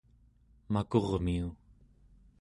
makurmiu